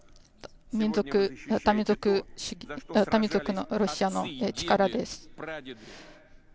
多民族のロシアの力です。